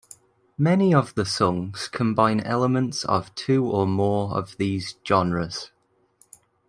Many of the songs combine elements of two or more of these genres.